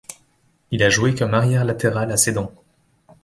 Il a joué comme arrière latéral à Sedan.